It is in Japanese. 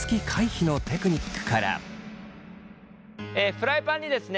フライパンにですね